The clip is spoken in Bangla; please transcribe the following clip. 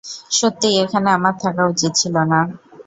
সত্যিই এখানে আমার থাকা উচিত ছিল না।